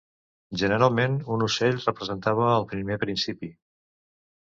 Generalment, un ocell representava el primer principi.